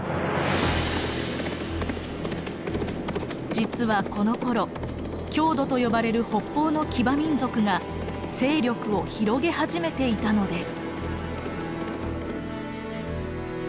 実はこのころ匈奴と呼ばれる北方の騎馬民族が勢力を広げ始めていたのです。